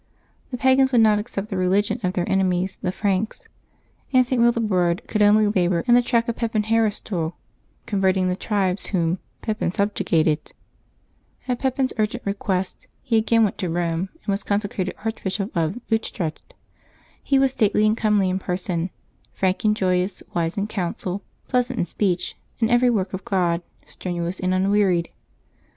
The pagans would not accept the religion of their November 8] LIVES OF THE 8AINT8 353 enemies, the Franks; and St. Willibrord couM only labor in the track of Pepin Heristal, converting the tribes whom Pepin subjugated. At Pepin's urgent request, he again went to Eome, and was consecrated Archbishop of Utrecht. He was stately and comely in person, frank and joyous, wise in counsel, pleasant in speech, in every work of God strenuous and unwearied.